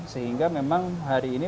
sehingga memang hari ini